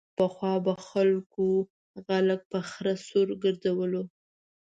پخوا به خلکو غل په خره سور گرځولو.